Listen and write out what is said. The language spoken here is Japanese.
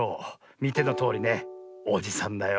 みてのとおりねおじさんだよ。